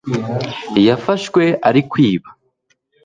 yafashwe ari kwiba